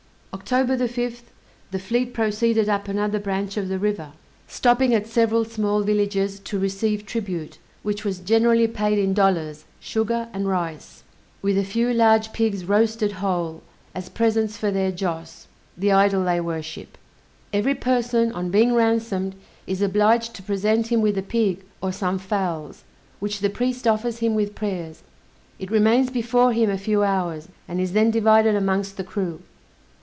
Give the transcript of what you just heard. October 5th, the fleet proceeded up another branch of the river, stopping at several small villages to receive tribute, which was generally paid in dollars, sugar and rice, with a few large pigs roasted whole, as presents for their joss (the idol they worship). Every person on being ransomed, is obliged to present him with a pig, or some fowls, which the priest offers him with prayers; it remains before him a few hours, and is then divided amongst the crew.